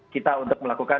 kita untuk melakukan